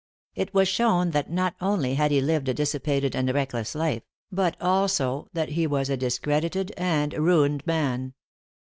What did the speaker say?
It was shown that not only had he lived a dissipated and reckless life, but also that he was a discredited and ruined man.